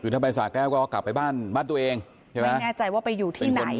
คือถ้าไปสาแก้วก็กลับไปบ้านบ้านตัวเองใช่ไหมไม่แน่ใจว่าไปอยู่ที่ไหน